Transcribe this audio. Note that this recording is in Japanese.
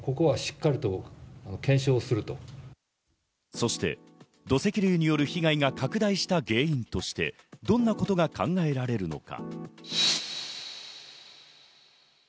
そして土石流により被害が拡大した原因として、どんなことが考えられるのか。